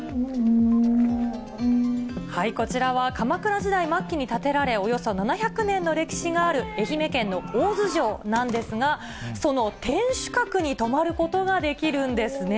こちらは鎌倉時代末期に建てられ、およそ７００年の歴史がある、愛媛県の大洲城なんですが、その天守閣に泊まることができるんですね。